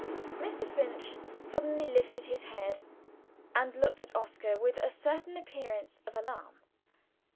Mr. Finch suddenly lifted his head, and looked at Oscar with a certain appearance of alarm.